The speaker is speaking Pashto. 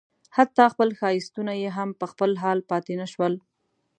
حتی خپل ښایستونه یې هم په خپل حال پاتې نه شول.